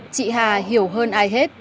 chị hà hiểu hơn ai hết